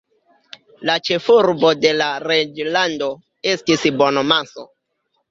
La ĉefurbo de la reĝlando estis Bono-Manso.